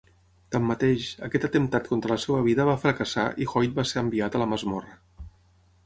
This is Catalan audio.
Tanmateix, aquest atemptat contra la seva vida va fracassar i Hoyt va ser enviat a la masmorra.